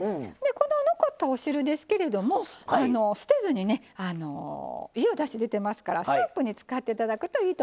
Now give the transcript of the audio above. この残ったお汁ですけれども捨てずにねいいおだし出てますからスープに使って頂くといいと思います。